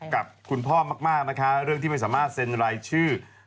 กับคุณพ่อมากนะคะเรื่องที่ไม่สามารถเซ็นรายชื่อ